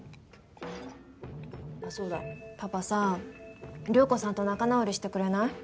あっそうだパパさ涼子さんと仲直りしてくれない？